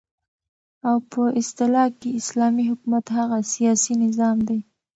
او په اصطلاح كې اسلامي حكومت هغه سياسي نظام دى